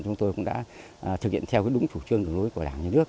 chúng tôi cũng đã thực hiện theo đúng chủ trương đường lối của đảng nhà nước